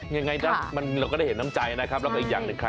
ยังไงนะเราก็ได้เห็นน้ำใจนะครับแล้วก็อีกอย่างหนึ่งใคร